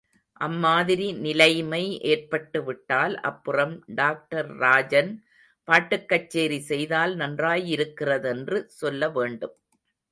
அம்மாதிரி நிலைமை ஏற்பட்டுவிட்டால் அப்புறம் டாக்டர் ராஜன் பாட்டுக்கச்சேரி செய்தால் நன்றாயிருக்கிறதென்று சொல்ல வேண்டும்.